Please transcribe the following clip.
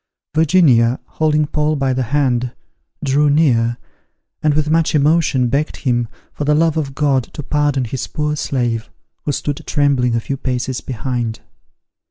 Virginia, holding Paul by the hand, drew near, and with much emotion begged him, for the love of God, to pardon his poor slave, who stood trembling a few paces behind.